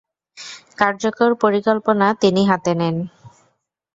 কার্যকর পরিকল্পনা তিনি হাতে নেন।